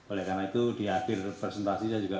oleh karena itu di akhir presentasinya juga